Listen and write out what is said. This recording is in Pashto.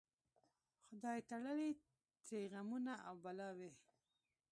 خدای تړلي ترې غمونه او بلاوي